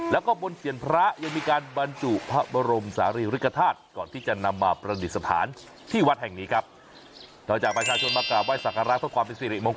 แล้วก็บนเสียงพระยังมีการบรรจุพระบรมศาลีริกฐาตุก่อนที่จะนำมาประดิษฐานที่วัดแห่งนี้ครับ